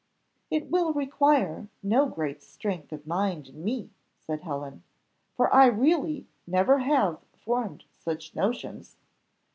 "It will require no great strength of mind in me," said Helen, "for I really never have formed such notions.